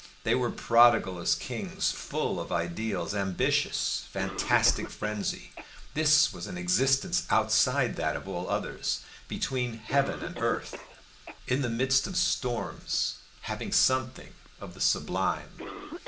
They were prodigal as kings, full of ideal, ambitious, fantastic frenzy. This was an existence outside that of all others, between heaven and earth, in the midst of storms, having something of the sublime.